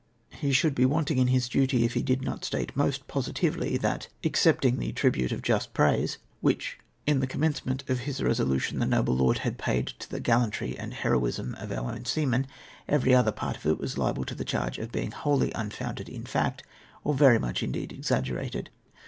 He should be wanting in his duty if he did not state most positively, that, excepting the tribute of * I liad G;iven notice. 286 un. crokee's reply. just praise, which, in the commencement of his resolution, the noble lord had paid to the gallantry and heroism of our own seamen, everij otlier part of it ivas liable to the charge of being wltolbj unfounded in fact, or very much indeed exaggerated.